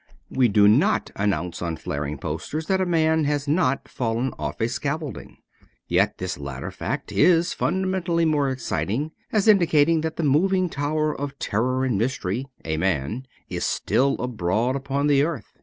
We do not announce on flaring posters that a man has not fallen off a scaffolding. Yet this latter fact is fundamentally more exciting, as indicating that the moving tower of terror and mystery, a man, is still abroad upon the earth.